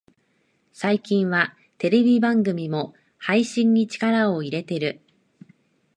最近はテレビ番組も配信に力を入れてる